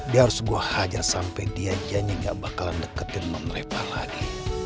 dia harus gue hajar sampe dia janji gak bakalan deketin menerepa lagi